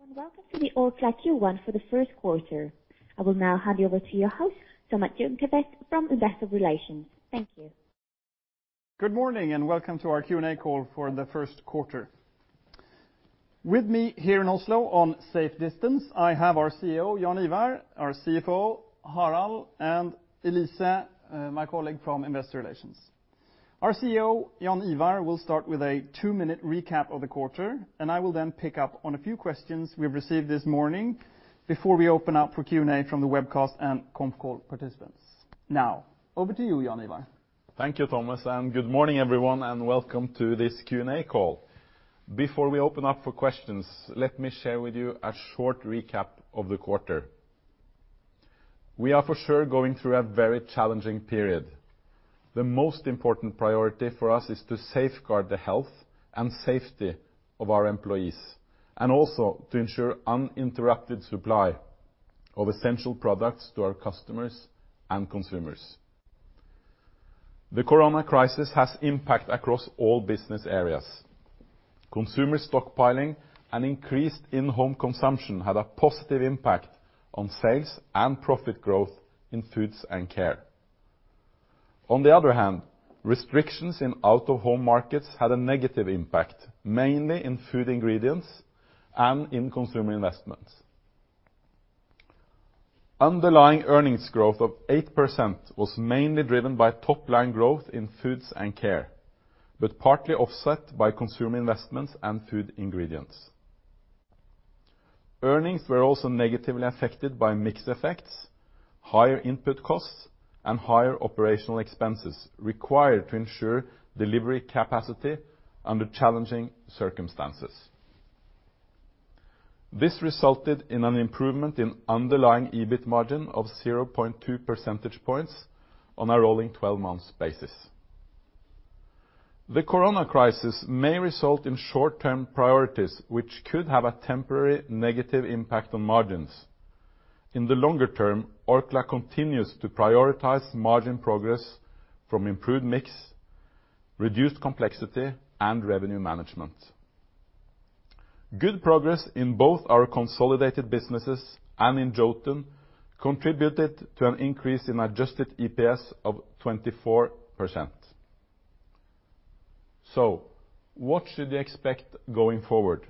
Hello, welcome to the Orkla Q1 for the first quarter. I will now hand you over to your host, Thomas Ljungqvist from Investor Relations. Thank you. Good morning, and welcome to our Q&A call for the first quarter. With me here in Oslo on safe distance, I have our CEO, Jaan Ivar, our CFO, Harald, and Elise, my colleague from Investor Relations. Our CEO, Jaan Ivar, will start with a two-minute recap of the quarter, and I will then pick up on a few questions we've received this morning before we open up for Q&A from the webcast and conf call participants. Now, over to you, Jaan Ivar. Thank you, Thomas, and good morning, everyone, and welcome to this Q&A call. Before we open up for questions, let me share with you a short recap of the quarter. We are for sure going through a very challenging period. The most important priority for us is to safeguard the health and safety of our employees, and also to ensure uninterrupted supply of essential products to our customers and consumers. The corona crisis has impact across all business areas. Consumer stockpiling and increased in-home consumption had a positive impact on sales and profit growth in foods and care. On the other hand, restrictions in out-of-home markets had a negative impact, mainly in food ingredients and in consumer investments. Underlying earnings growth of 8% was mainly driven by top-line growth in foods and care, but partly offset by consumer investments and food ingredients. Earnings were also negatively affected by mix effects, higher input costs, and higher operational expenses required to ensure delivery capacity under challenging circumstances. This resulted in an improvement in underlying EBIT margin of 0.2 percentage points on a rolling 12 months basis. The corona crisis may result in short-term priorities, which could have a temporary negative impact on margins. In the longer term, Orkla continues to prioritize margin progress from improved mix, reduced complexity, and revenue management. Good progress in both our consolidated businesses and in Jotun contributed to an increase in adjusted EPS of 24%. What should you expect going forward?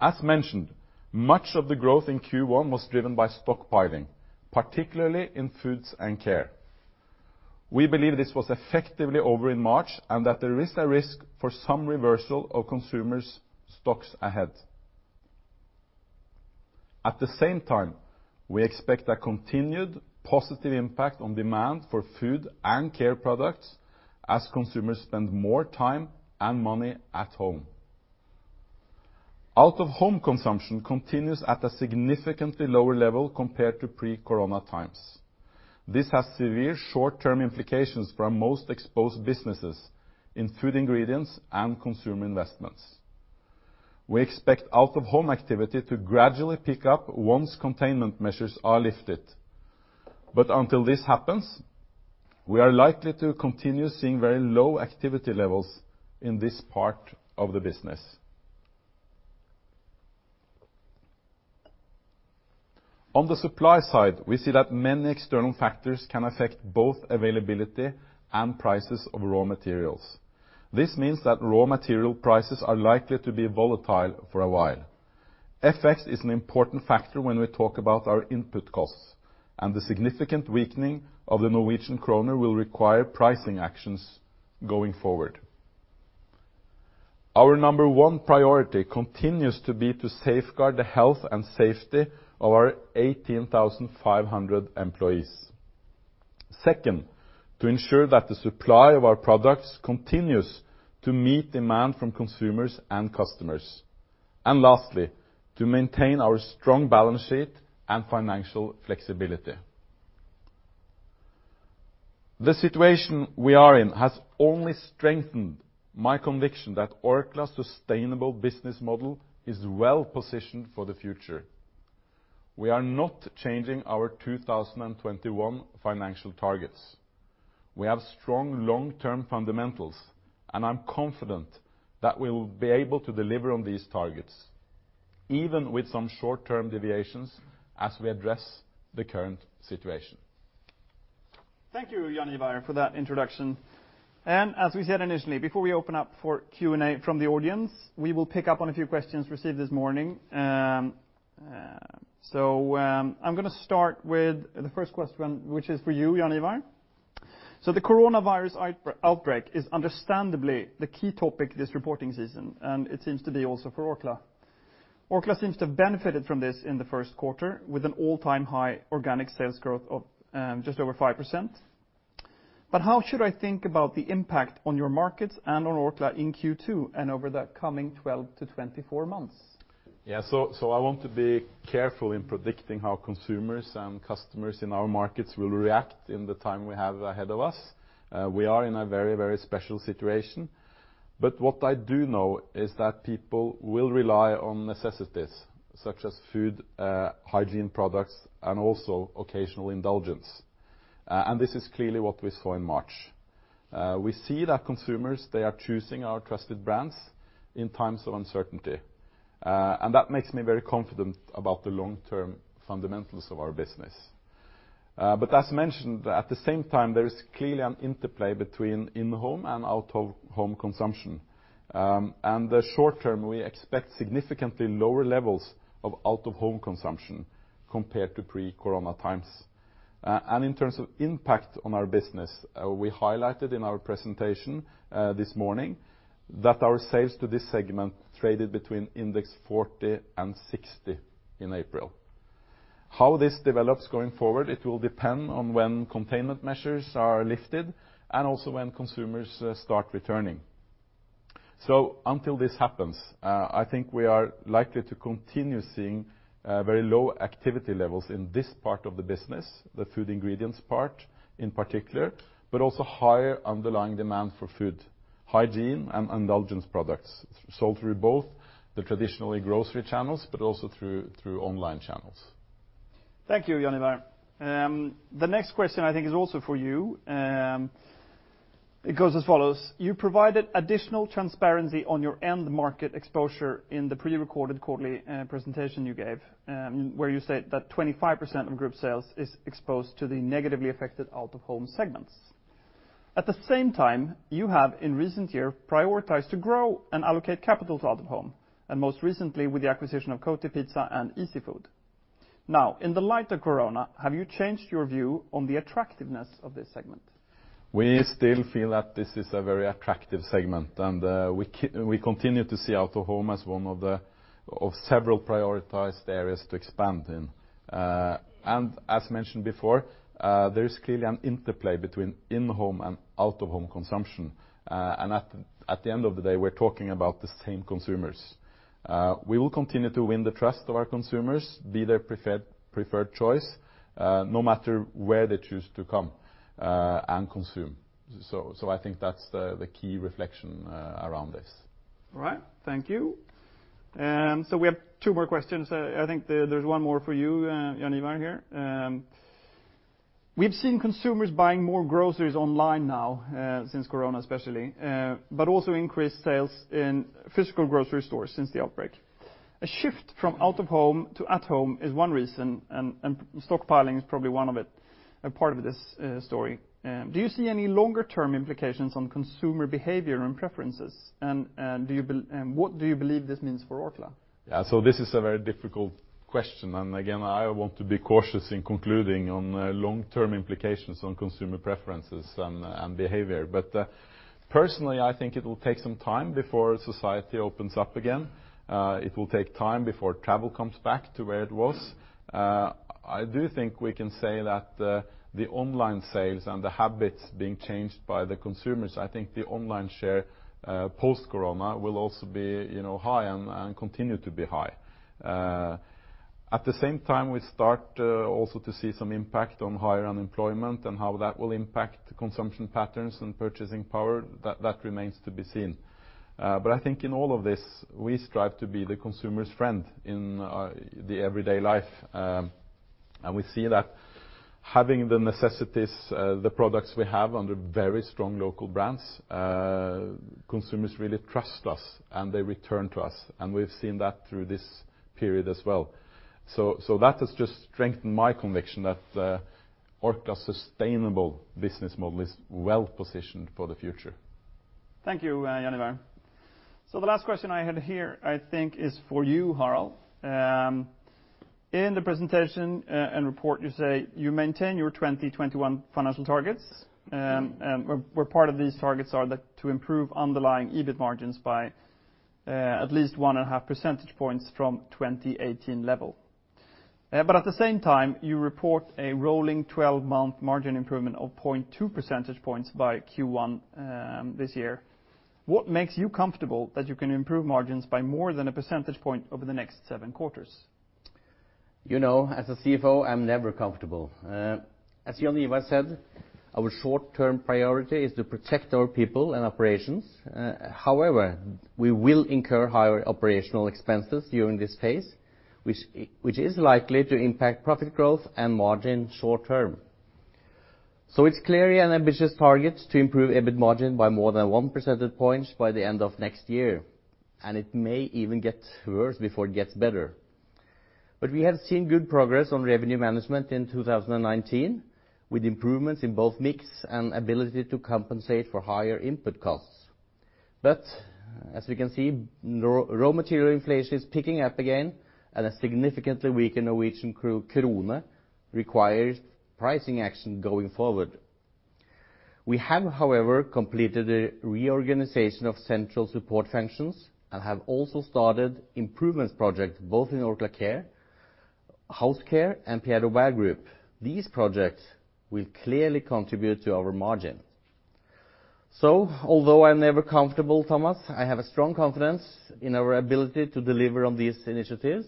As mentioned, much of the growth in Q1 was driven by stockpiling, particularly in foods and care. We believe this was effectively over in March, and that there is a risk for some reversal of consumers' stocks ahead. At the same time, we expect a continued positive impact on demand for food and care products as consumers spend more time and money at home. Out-of-home consumption continues at a significantly lower level compared to pre-corona times. This has severe short-term implications for our most exposed businesses in Food Ingredients and Consumer Investments. We expect out-of-home activity to gradually pick up once containment measures are lifted. But until this happens, we are likely to continue seeing very low activity levels in this part of the business. On the supply side, we see that many external factors can affect both availability and prices of raw materials. This means that raw material prices are likely to be volatile for a while. FX is an important factor when we talk about our input costs, and the significant weakening of the Norwegian krone will require pricing actions going forward. Our number one priority continues to be to safeguard the health and safety of our 18,500 employees. Second, to ensure that the supply of our products continues to meet demand from consumers and customers. Lastly, to maintain our strong balance sheet and financial flexibility. The situation we are in has only strengthened my conviction that Orkla's sustainable business model is well-positioned for the future. We are not changing our 2021 financial targets. We have strong long-term fundamentals, and I'm confident that we'll be able to deliver on these targets, even with some short-term deviations as we address the current situation. Thank you, Jaan Ivar, for that introduction. As we said initially, before we open up for Q&A from the audience, we will pick up on a few questions received this morning. I'm going to start with the first question, which is for you, Jaan Ivar. The coronavirus outbreak is understandably the key topic this reporting season, and it seems to be also for Orkla. Orkla seems to have benefited from this in the first quarter with an all-time high organic sales growth of just over 5%. How should I think about the impact on your markets and on Orkla in Q2 and over the coming 12-24 months? I want to be careful in predicting how consumers and customers in our markets will react in the time we have ahead of us. We are in a very special situation. What I do know is that people will rely on necessities such as food, hygiene products, and also occasional indulgence. This is clearly what we saw in March. We see that consumers, they are choosing our trusted brands in times of uncertainty. That makes me very confident about the long-term fundamentals of our business. As mentioned, at the same time, there is clearly an interplay between in-home and out-of-home consumption. The short term, we expect significantly lower levels of out-of-home consumption compared to pre-corona times. In terms of impact on our business, we highlighted in our presentation this morning that our sales to this segment traded between index 40 and 60 in April. How this develops going forward, it will depend on when containment measures are lifted and also when consumers start returning. Until this happens, I think we are likely to continue seeing very low activity levels in this part of the business, the food ingredients part in particular, but also higher underlying demand for food hygiene and indulgence products sold through both the traditional grocery channels, but also through online channels. Thank you, Jaan Ivar. The next question I think is also for you. It goes as follows: you provided additional transparency on your end market exposure in the pre-recorded quarterly presentation you gave, where you said that 25% of group sales is exposed to the negatively affected out-of-home segments. At the same time, you have in recent years prioritized to grow and allocate capital to out-of-home, and most recently with the acquisition of Kotipizza and Easyfood. Now, in the light of corona, have you changed your view on the attractiveness of this segment? We still feel that this is a very attractive segment. We continue to see out-of-home as one of several prioritized areas to expand in. As mentioned before, there is clearly an interplay between in-home and out-of-home consumption. At the end of the day, we're talking about the same consumers. We will continue to win the trust of our consumers, be their preferred choice, no matter where they choose to come and consume. I think that's the key reflection around this. All right. Thank you. We have two more questions. I think there's one more for you, Jaan Ivar, here. We've seen consumers buying more groceries online now since corona especially, but also increased sales in physical grocery stores since the outbreak. A shift from out-of-home to at home is one reason, and stockpiling is probably one of it, a part of this story. Do you see any longer term implications on consumer behavior and preferences? What do you believe this means for Orkla? Yeah. This is a very difficult question. Again, I want to be cautious in concluding on long-term implications on consumer preferences and behavior. Personally, I think it will take some time before society opens up again. It will take time before travel comes back to where it was. I do think we can say that the online sales and the habits being changed by the consumers, I think the online share post-corona will also be high and continue to be high. At the same time, we start also to see some impact on higher unemployment and how that will impact consumption patterns and purchasing power. That remains to be seen. I think in all of this, we strive to be the consumer's friend in the everyday life. We see that having the necessities, the products we have under very strong local brands, consumers really trust us, and they return to us. We've seen that through this period as well. That has just strengthened my conviction that Orkla's sustainable business model is well-positioned for the future. Thank you, Jaan Ivar. The last question I had here, I think is for you, Harald. In the presentation and report, you say you maintain your 2021 financial targets, where part of these targets are to improve underlying EBIT margins by at least 1.5 percentage points from 2018 level. At the same time, you report a rolling 12-month margin improvement of 0.2 percentage points by Q1 this year. What makes you comfortable that you can improve margins by more than a percentage point over the next seven quarters? As a CFO, I'm never comfortable. As Jaan Ivar said, our short-term priority is to protect our people and operations. However, we will incur higher operational expenses during this phase, which is likely to impact profit growth and margin short term. It's clearly an ambitious target to improve EBIT margin by more than one percentage point by the end of next year, and it may even get worse before it gets better. We have seen good progress on revenue management in 2019, with improvements in both mix and ability to compensate for higher input costs. As we can see, raw material inflation is picking up again, and a significantly weaker Norwegian krone requires pricing action going forward. We have, however, completed a reorganization of central support functions and have also started improvements projects both in Orkla Care, Orkla House Care, and Pierre Robert Group. These projects will clearly contribute to our margin. Although I'm never comfortable, Thomas, I have a strong confidence in our ability to deliver on these initiatives,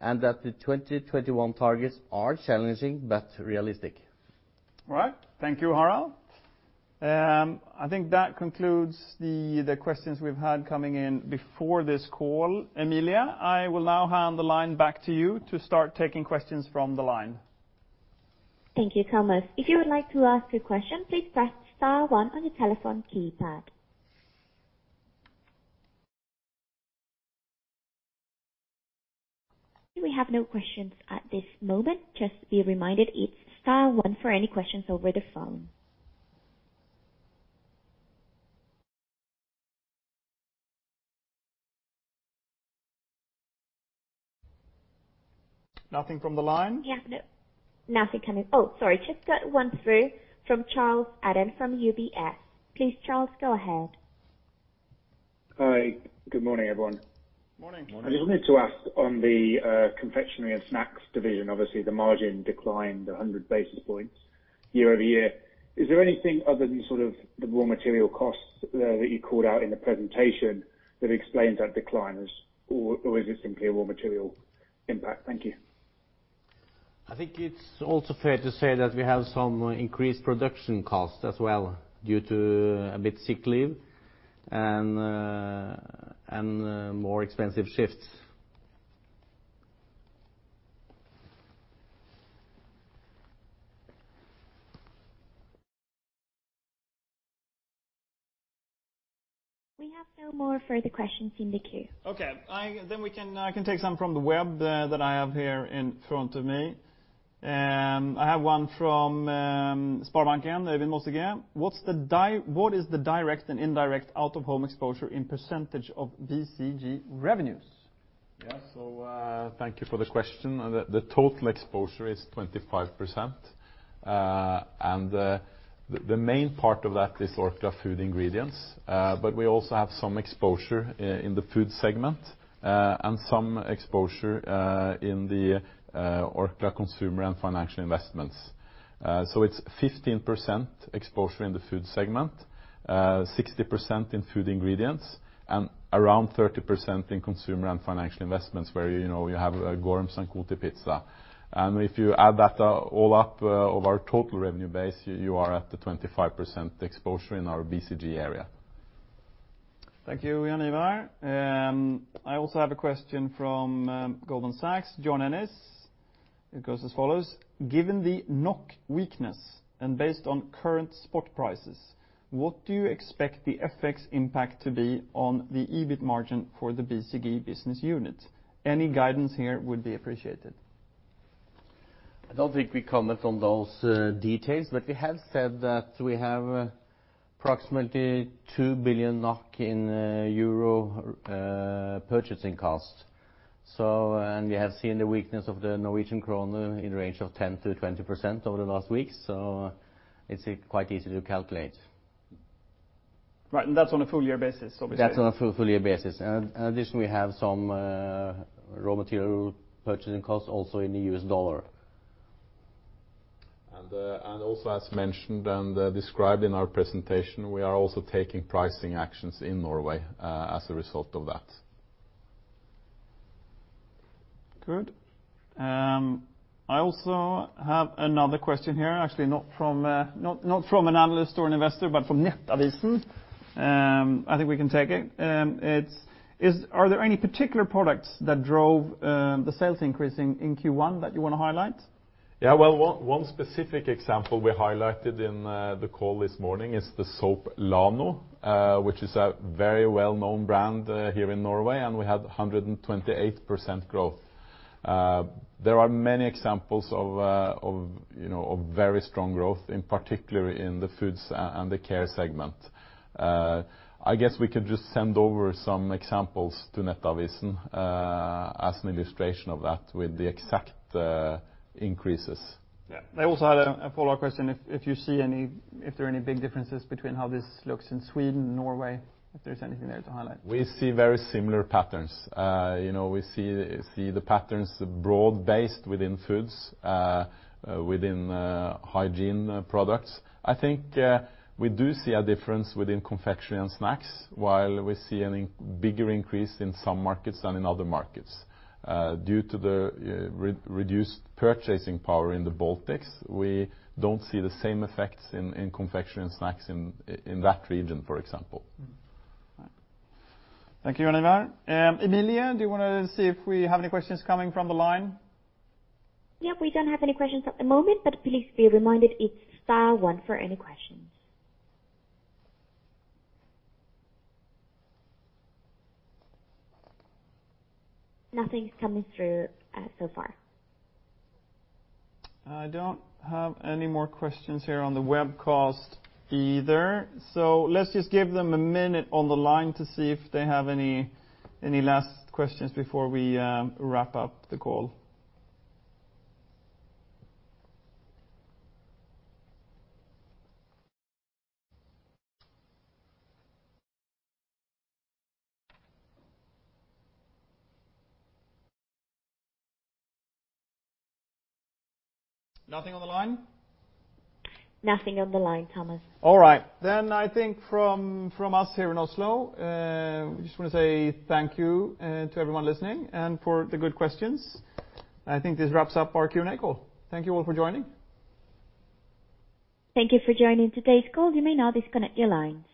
and that the 2021 targets are challenging but realistic. All right. Thank you, Harald. I think that concludes the questions we've had coming in before this call. Emilia, I will now hand the line back to you to start taking questions from the line. Thank you, Thomas. If you would like to ask a question, please press star one on your telephone keypad. We have no questions at this moment. Just be reminded, it is star one for any questions over the phone. Nothing from the line? Yeah, no. Nothing coming. Oh, sorry, just got one through from Charles Eden from UBS. Please, Charles, go ahead. Hi. Good morning, everyone. Morning. I just wanted to ask on the confectionery and snacks division, obviously the margin declined 100 basis points year-over-year. Is there anything other than the raw material costs that you called out in the presentation that explains that decline? Or is it simply a raw material impact? Thank you. I think it's also fair to say that we have some increased production costs as well, due to a bit sick leave and more expensive shifts. We have no more further questions in the queue. Okay. I can take some from the web that I have here in front of me. I have one from Sparbanken, Davin Moseng. What is the direct and indirect out-of-home exposure in percentage of BCG revenues? Thank you for the question. The total exposure is 25%, and the main part of that is Orkla Food Ingredients. We also have some exposure in the food segment, and some exposure in the Orkla Consumer & Financial Investments. It's 15% exposure in the food segment, 60% in food ingredients, and around 30% in Consumer & Financial Investments, where you have Göransson Kotipizza. If you add that all up over our total revenue base, you are at the 25% exposure in our BCG area. Thank you, Jaan Ivar. I also have a question from Goldman Sachs, John Ennis. It goes as follows: Given the NOK weakness and based on current spot prices, what do you expect the FX impact to be on the EBIT margin for the BCG business unit? Any guidance here would be appreciated. I don't think we comment on those details, but we have said that we have approximately 2 billion NOK in EUR purchasing costs. We have seen the weakness of the Norwegian krone in the range of 10%-20% over the last week, so it's quite easy to calculate. Right. That's on a full year basis, obviously. That's on a full year basis. In addition, we have some raw material purchasing costs also in the US dollar. Also, as mentioned and described in our presentation, we are also taking pricing actions in Norway as a result of that. Good. I also have another question here, actually not from an analyst or an investor, but from Nettavisen. I think we can take it. Are there any particular products that drove the sales increase in Q1 that you want to highlight? Yeah. One specific example we highlighted in the call this morning is the soap Lano, which is a very well-known brand here in Norway, and we had 128% growth. There are many examples of very strong growth, in particular in the foods and the care segment. I guess we could just send over some examples to Nettavisen as an illustration of that with the exact increases. Yeah. They also had a follow-up question. If there are any big differences between how this looks in Sweden and Norway, if there's anything there to highlight. We see very similar patterns. We see the patterns broad-based within foods, within hygiene products. I think we do see a difference within confectionery and snacks, while we see a bigger increase in some markets than in other markets. Due to the reduced purchasing power in the Baltics, we don't see the same effects in confectionery and snacks in that region, for example. Thank you, Jaan Ivar. Emilia, do you want to see if we have any questions coming from the line? Yeah, we don't have any questions at the moment, but please be reminded it's star one for any questions. Nothing's coming through so far. I don't have any more questions here on the webcast either. Let's just give them a minute on the line to see if they have any last questions before we wrap up the call. Nothing on the line? Nothing on the line, Thomas. All right. I think from us here in Oslo, we just want to say thank you to everyone listening and for the good questions. I think this wraps up our Q&A call. Thank you all for joining. Thank you for joining today's call. You may now disconnect your lines.